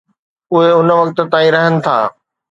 اهي ان وقت تائين رهن ٿا.